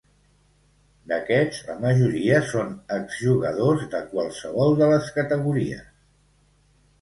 D'aquests, la majoria són exjugadors de qualsevol de les categories.